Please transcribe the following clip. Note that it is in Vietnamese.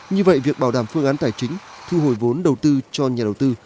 như vậy việc bảo đảm phương án tài chính thu hồi vốn đầu tư cho nhà đầu tư